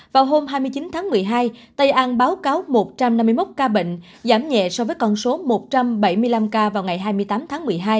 vào hôm hai mươi chín tháng một mươi hai tây an báo cáo một trăm năm mươi một ca bệnh giảm nhẹ so với con số một trăm bảy mươi năm ca vào ngày hai mươi tám tháng một mươi hai